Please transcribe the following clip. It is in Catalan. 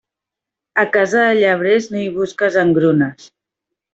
A casa de llebrers, no hi busques engrunes.